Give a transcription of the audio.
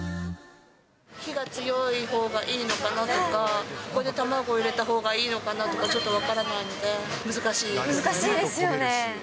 火が強いほうがいいのかなとか、ここで卵入れたほうがいいのかなとか、ちょっと分からないの難しいですよね。